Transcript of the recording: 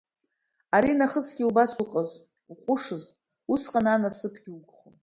Аринахысгьы убас уҟаз, уҟәышыз, усҟан анасыԥгьы угхом!